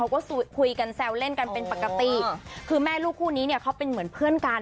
ก็คุยกันแซวเล่นกันเป็นปกติคือแม่ลูกคู่นี้เนี่ยเขาเป็นเหมือนเพื่อนกัน